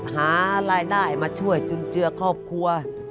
หารายได้มาช่วยจุนเจือครอบครัว